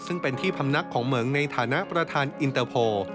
ซึ่งเป็นที่พำนักของเหมืองในฐานะประธานอินเตอร์โพล